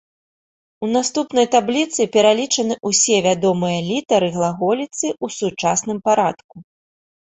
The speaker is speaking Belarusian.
У наступнай табліцы пералічаны ўсе вядомыя літары глаголіцы ў сучасным парадку.